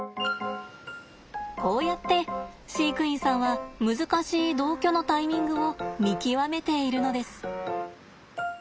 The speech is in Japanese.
こうやって飼育員さんは難しい同居のタイミングを見極めているのです。